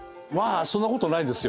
そんなことないですよ。